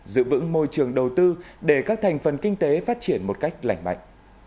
giữ vững môi trường đầu tư để các thành phần kinh tế phát triển một cách lành mạnh